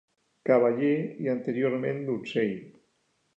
Cavaller i anteriorment donzell.